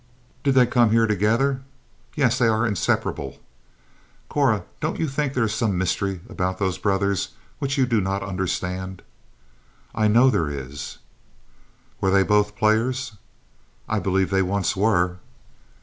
"Did they come here together?" "Yes; they are inseparable." "Cora, don't you think there is some mystery about those brothers, which you do not understand?" "I know there is." "Were they both players?" "I believe they once were."